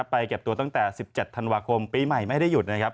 เก็บตัวตั้งแต่๑๗ธันวาคมปีใหม่ไม่ได้หยุดนะครับ